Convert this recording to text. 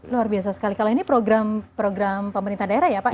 luar biasa sekali kalau ini program pemerintah daerah ya pak